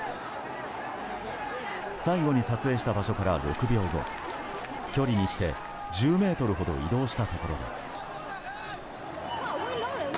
最後に撮影した場所から６秒後距離にして１０ｍほど移動したところで。